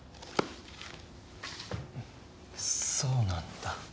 そうなんだ。